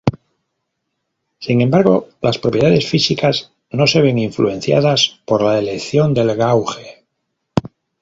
Sin embargo las propiedades físicas no se ven influenciadas por la elección del gauge.